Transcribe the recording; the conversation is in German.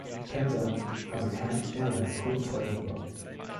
Penta hatte kein Airline-Kundentreueprogramm.